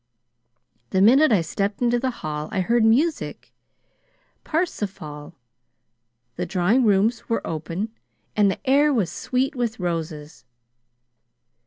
The minute I stepped into the hall I heard music Parsifal. The drawing rooms were open, and the air was sweet with roses.